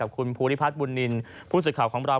พร้อมพูดพริพาทบุนนินผู้สื่อข่าวของเรา